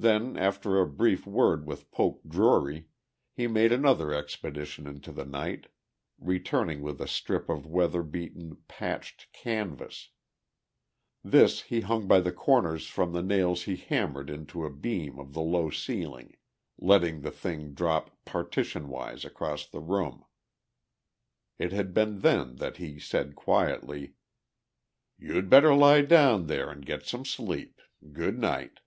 Then, after a brief word with Poke Drury, he made another expedition into the night, returning with a strip of weather beaten, patched canvas; this he hung by the corners from the nails he hammered into a beam of the low ceiling, letting the thing drop partition wise across the room. It had been then that he said quietly: "You'd better lie down there and get some sleep. Good night."